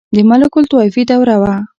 • د ملوکالطوایفي دوره وه.